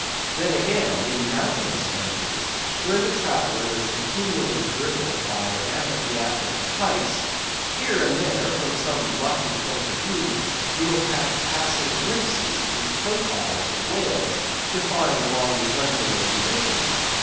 Then, again, in mountainous countries where the traveller is continually girdled by amphitheatrical heights; here and there from some lucky point of view you will catch passing glimpses of the profiles of whales defined along the undulating ridges.